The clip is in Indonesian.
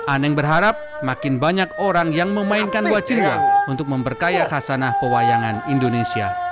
aneng berharap makin banyak orang yang memainkan wacinnya untuk memperkaya khasanah pewayangan indonesia